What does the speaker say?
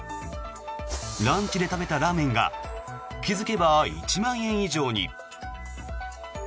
ランチで食べたラーメンが気付けば１万円以上に。